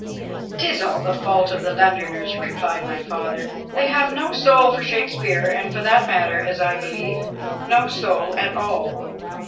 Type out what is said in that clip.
" 'Tis all the faidt of the Londoners," replied my father. " They have no soul for Shakespeare, and for that matter, as I believe, no soul at all."